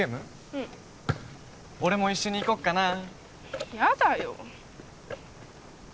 うん俺も一緒に行こっかなあやだよ